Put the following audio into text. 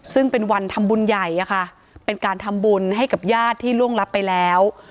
ซึ่งเป็นวันทำบุญใหญ่อะค่ะเป็นการทำบุญให้กับญาติที่ล่วงรับไปแล้ว